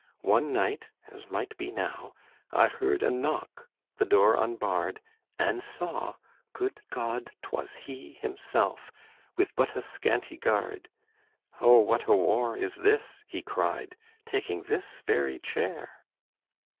One night as might be now I heard A knock the door unbarred And saw good God! 'twas he, himself, With but a scanty guard. 'Oh, what a war is this!' he cried, Taking this very chair."